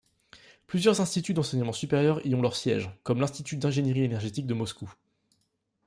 Plusieurs instituts d'enseignement supérieur y ont leur siège, comme l'Institut d'ingéniérie énergétique de Moscou.